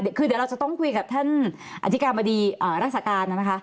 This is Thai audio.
เดี๋ยวเราจะต้องคุยกับท่านอธิการบดีรักษาการนะคะ